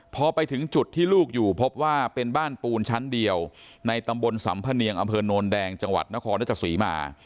พอไปถึงจุดที่ลูกอยู่พบว่าเป็นบ้านปูนชั้นเดียวในตำบลสัมพเนียงอำเภอโนนแดงจังหวัดนครรัชศรีมา